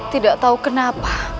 tidak tahu kenapa